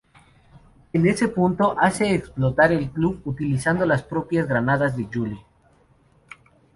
En ese punto, hace explotar el club utilizando las propias granadas de Julie.